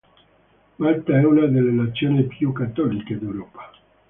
Malta è una delle nazioni più cattoliche d'Europa.